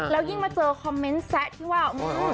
แล้วยิ่งมาเจอคอมเมนต์แซะที่ว่า